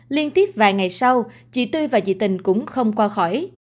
liên tiếp vài ngày sau chị tươi và chị tình cũng không qua khỏi